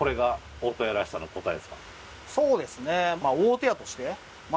そうですね